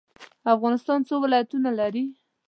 افغانستان څو ولایتونه لري؟